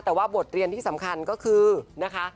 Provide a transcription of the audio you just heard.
แต่ว่าบทเรียนที่สำคัญก็คือนะคะ